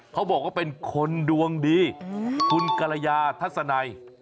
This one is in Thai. เขาบอกว่าเป็นคนดวงดีคุณกะละยาทัสไน